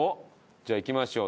じゃあいきましょう。